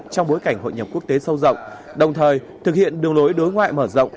trong bối cảnh hội nhập quốc tế sâu rộng đồng thời thực hiện đường lối đối ngoại mở rộng